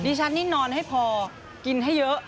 ดิฉันนี่นอนให้พอกินให้เยอะ